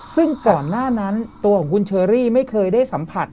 ซึ่งก่อนหน้านั้นตัวของคุณเชอรี่ไม่เคยได้สัมผัส